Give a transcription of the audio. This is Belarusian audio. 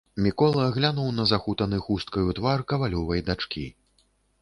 Мікола глянуў на захутаны хусткаю твар кавалёвай дачкі.